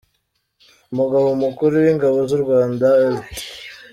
Umugaba mukuru w’ingabo z’u Rwanda, Lt.